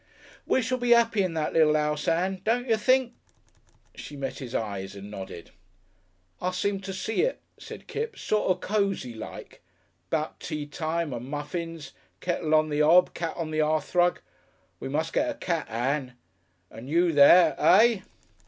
"We shall be 'appy in that little 'ouse, Ann. Don't y' think?" She met his eyes and nodded. "I seem to see it," said Kipps, "sort of cosy like. 'Bout tea time and muffins, kettle on the 'ob, cat on the 'earthrug. We must get a cat, Ann, and you there. Eh?"